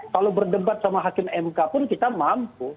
kalau berdebat sama hakim mk pun kita mampu